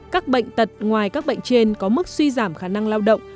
các bệnh tật ngoài các bệnh trên có mức suy giảm khả năng lao động